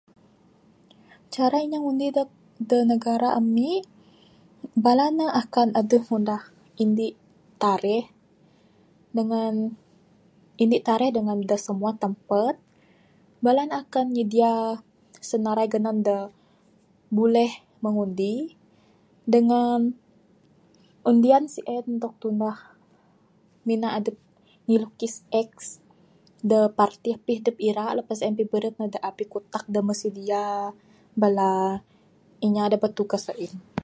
"Cara inya da ngundi da negara ami bala ne akan adeh ngundah Indi tarikh dangan Indi tarikh da semua tampat. Bala ne akan nyedia senarai ganan da buleh mengundi dangan undian sien dog tunah mina adep ngilukis ""X"" da parti apih adep ira pas en beret da abih kutak da meh sidia bala inya da bitugas ain."